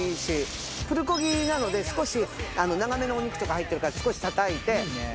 プルコギなので少し長めのお肉とか入ってるから少したたいて。